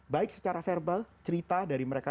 baik secara verbal cerita dari mereka